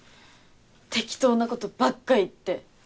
適当なことばっか言って。